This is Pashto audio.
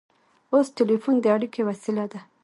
اوس ټیلیفون د اړیکې وسیله ده.